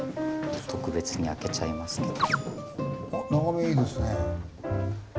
特別に開けちゃいますけど。